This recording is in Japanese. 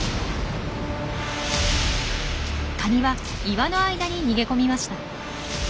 カニは岩の間に逃げ込みました。